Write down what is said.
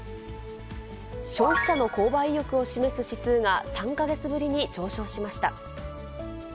消費者の購買意欲を示す指数が、３か月ぶりに上昇しました。